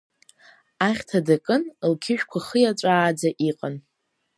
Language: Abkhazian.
Ахьҭа дакын, лқьышәқәа хиаҵәааӡа иҟан.